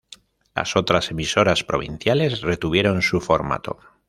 Las otras emisoras provinciales retuvieron su formato.